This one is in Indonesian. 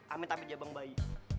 amin tapi jabang bayi